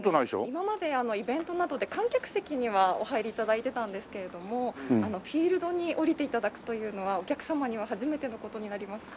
今までイベントなどで観客席にはお入り頂いてたんですけれどもフィールドに下りて頂くというのはお客様には初めての事になります。